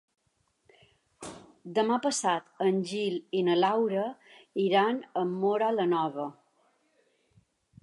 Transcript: Demà passat en Gil i na Laura iran a Móra la Nova.